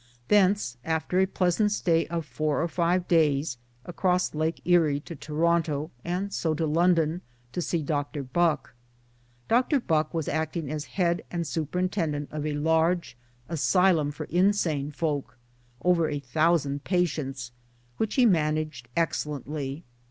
Thence, after a pleasant stay of four or five days, across Lake Erie to Toronto and so to London, to see Dr. Bucke. Dr. Bucke was acting as head and t. f superintendent of a large Asylum for Insane folk over a thousand patients which he managed ex cellently.